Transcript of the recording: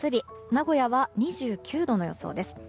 名古屋は２９度の予想です。